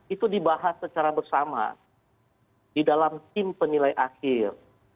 itu dibahas secara bersama di dalam tim penilai akhir